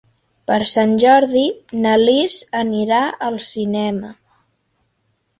Per Sant Jordi na Lis anirà al cinema.